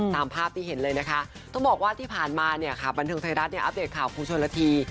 ตามภาพที่เห็นเลยนะคะต้องบอกว่าที่ผ่านมาเนี่ยค่ะบันเทิงไทยรัฐเนี่ยอัปเดตข่าวครูชนละที